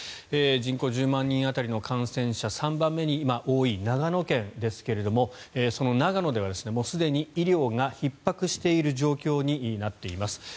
人口１０万人当たりの感染者３番目に今、多い長野県ですけれどもその長野ではすでに医療がひっ迫している状況になっています。